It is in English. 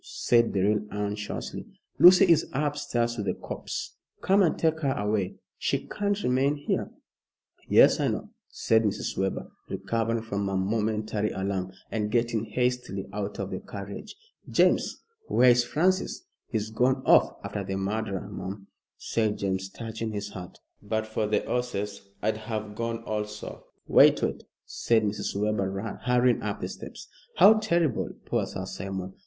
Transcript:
said Beryl, anxiously. "Lucy is upstairs with the corpse. Come and take her away. She can't remain here." "Yes, I know," said Mrs. Webber, recovering from her momentary alarm, and getting hastily out of the carriage. "James, where is Francis?" "He's gone off after the murderer, mum," said James, touching his hat; "but for the 'orses I'd have gone also." "Wait wait," said Mrs. Webber, hurrying up the steps. "How terrible poor Sir Simon.